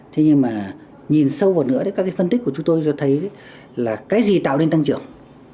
thế nhưng mà nhìn sâu vào nữa thì các cái phân tích của chúng tôi cho thấy là cái gì tạo nên tăng trưởng